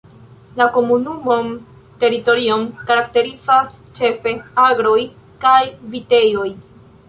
La komunumon teritorion karakterizas ĉefe agroj kaj vitejoj.